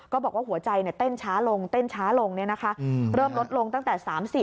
ก็บอกว่าหัวใจเต้นช้าลงเริ่มลดลงตั้งแต่๓๐